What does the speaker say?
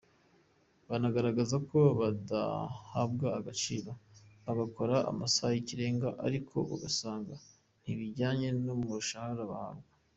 Banagaragaza ko badahabwa agaciro, bagakora amasaha y’ikirenga ariko ugasanga ntibijyanye n’umushahara bahabwa.